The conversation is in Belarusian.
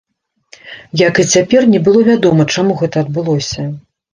Як і цяпер, не было вядома, чаму гэта адбылося.